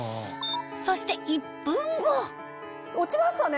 そして１分後落ちましたね！